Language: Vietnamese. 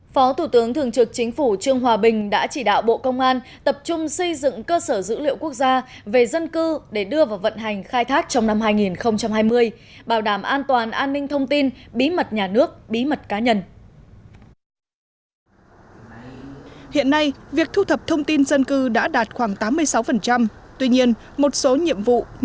phó thủ tướng thường trực chính phủ trương hòa bình đã chỉ đạo bộ công an tập trung xây dựng cơ sở dữ liệu quốc gia về dân cư để đưa vào vận hành khai thác trong năm hai nghìn hai mươi bảo đảm an toàn an ninh thông tin bí mật nhà nước bí mật cá nhân